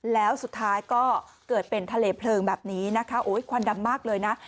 แล้วสุดท้ายก็เกิดเป็นทะเลเพลิงแบบนี้นะคะโอ้ยควันดำมากเลยนะ